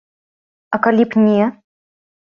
А калі б не?